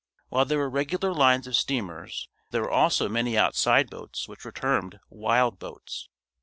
While there were regular lines of steamers, there were also many outside boats which were termed "wild" boats.